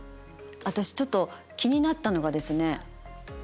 私ちょっと気になったのがですね